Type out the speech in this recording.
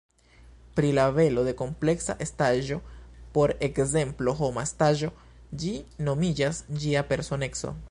Pri la belo de kompleksa estaĵo, por ekzemplo homa estaĵo, ĝi nomiĝas ĝia personeco.